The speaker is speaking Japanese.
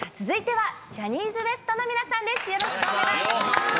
続いてはジャニーズＷＥＳＴの皆さんです。